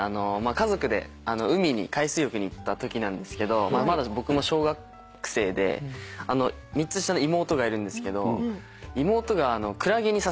家族で海に海水浴に行ったときなんですけどまだ僕も小学生で３つ下の妹がいるんですけど妹がクラゲに刺されちゃいまして。